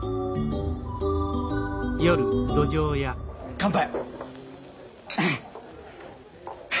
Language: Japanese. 乾杯。